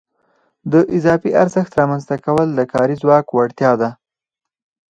د اضافي ارزښت رامنځته کول د کاري ځواک وړتیا ده